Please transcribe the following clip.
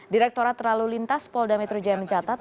direkturat terlalu lintas polda metro jaya mencatat